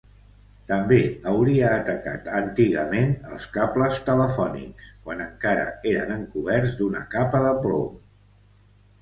També hauria atacat antigament els cables telefònics, quan encara eren encoberts d'una capa de plom.